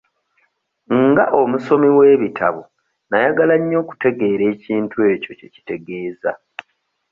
Nga omusomi w'ebitabo nnayagala nnyo okutegeera ekintu ekyo kye kitegeeza.